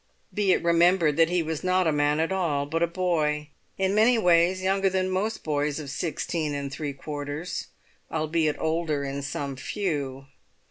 Be it remembered that he was not a man at all, but a boy in many ways younger than most boys of sixteen and three quarters, albeit older in some few.